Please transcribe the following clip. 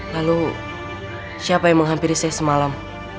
lalu siapa yang menghampiri saya semalam